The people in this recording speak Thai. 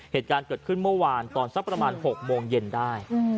เหตุการณ์เกิดขึ้นเมื่อวานตอนสักประมาณ๖โมงเย็นได้